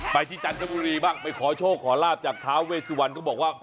ที่จันทบุรีบ้างไปขอโชคขอลาบจากท้าเวสุวรรณก็บอกว่า